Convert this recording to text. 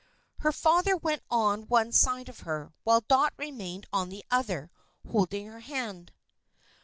Her father went on one side of her, while Dot remained on the other, holding her hand.